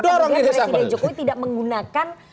presiden jokowi tidak menggunakan